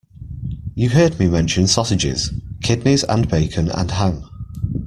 You heard me mention sausages, kidneys and bacon and ham.